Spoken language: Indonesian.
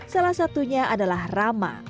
salah satunya adalah rama